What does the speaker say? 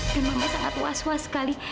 dan mama sangat was was sekali